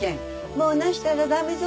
もう泣したら駄目ぞ